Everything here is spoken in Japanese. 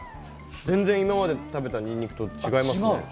全然、今まで食べたにんにくと違いますね。